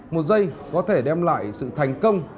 một dây có thể đem lại sự thành công